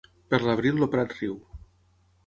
Per l'abril el prat riu.